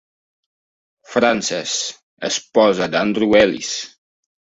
Frances, esposa de Andrew Ellis.